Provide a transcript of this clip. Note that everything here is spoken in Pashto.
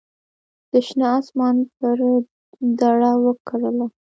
د شنه اسمان پر دړه وکرله